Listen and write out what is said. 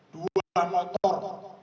dua orang motor